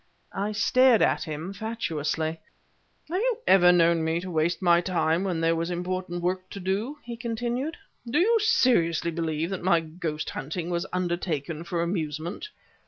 I stared at him, fatuously. "Have you ever known me to waste my time when there was important work to do?" he continued. "Do you seriously believe that my ghost hunting was undertaken for amusement?